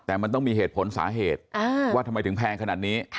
แต่มันต้องมีเหตุผลสาเหตุว่าทำไมถึงแพงขนาดนี้